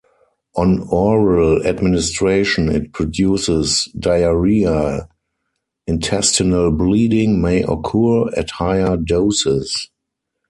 On oral administration, it produces diarrhea; intestinal bleeding may occur at higher doses.